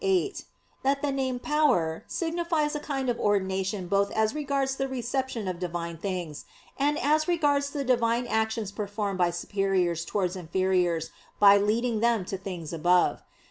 viii) that the name "Power" signifies a kind of ordination both as regards the reception of Divine things, and as regards the Divine actions performed by superiors towards inferiors by leading them to things above.